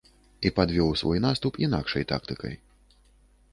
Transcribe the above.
І падвёў свой наступ інакшай тактыкай.